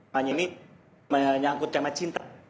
hanya ini menyangkut tema cinta